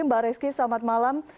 mbak rezki selamat malam